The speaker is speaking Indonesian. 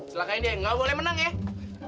silahkan dia nggak boleh menang ya